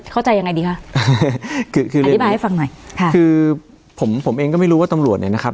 เข้าใจยังไงดีคะคือคืออธิบายให้ฟังหน่อยค่ะคือผมผมเองก็ไม่รู้ว่าตำรวจเนี้ยนะครับ